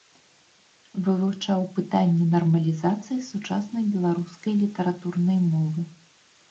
Вывучаў пытанні нармалізацыі сучаснай беларускай літаратурнай мовы.